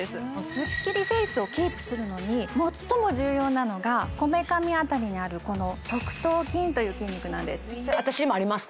スッキリフェイスをキープするのに最も重要なのがこめかみ辺りにあるこの側頭筋という筋肉なんですあります